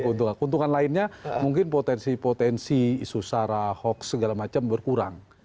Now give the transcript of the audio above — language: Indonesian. keuntungan lainnya mungkin potensi potensi isu sara hoax segala macam berkurang